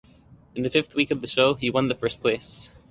In the fifth week of the show he won the first place.